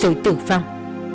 rồi tử vong